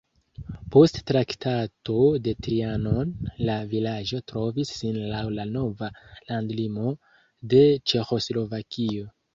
Post Traktato de Trianon la vilaĝo trovis sin laŭ la nova landlimo de Ĉeĥoslovakio.